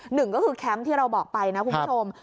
หนึ่งก็คือแคมป์ที่เราบอกไปนะคุณผู้ชม